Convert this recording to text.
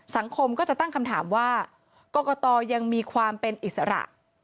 สังคมก็จะตั้งคำถามว่ากรกตยังมีความเป็นอิสระ